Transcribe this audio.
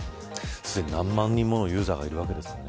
すでに何万人ものユーザーがいるわけですよね。